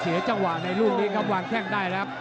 เสียจังหวะในลูกนี้ครับวางแข้งได้แล้ว